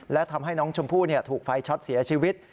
และทำให้น้องชมพู่ถูกไฟช็อตเสียชีวิต